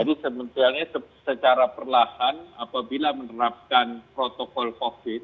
jadi sebetulnya secara perlahan apabila menerapkan protokol covid